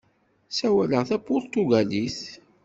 Ssawaleɣ tapuṛtugalit.